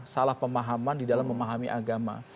salah pemahaman di dalam memahami agama